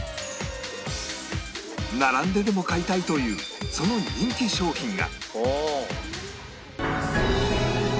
並んででも買いたいというその人気商品が